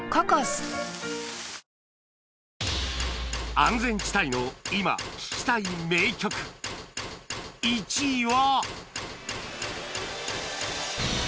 安全地帯の今聴きたい名曲１位は